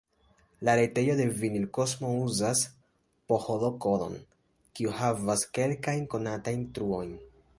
La retejo de Vinilkosmo uzas php-kodon, kiu havas kelkajn konatajn truojn.